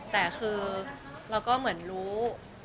แต่คือเราก็เหมือนรู้